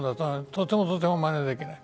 とてもとても、まねできない。